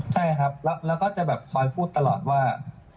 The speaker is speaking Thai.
ใช่ครับแล้วก็จะแบบคอยพูดตลอดว่า